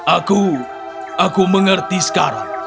aku aku mengerti sekarang